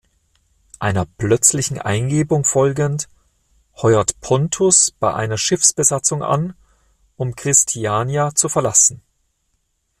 Einer plötzlichen Eingebung folgend heuert Pontus bei einer Schiffsbesatzung an, um Christiania zu verlassen.